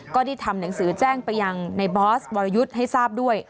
ก็ได้ทำหนังสือแจ้งไปยังในบอสวรยุทธ์ให้ทราบด้วย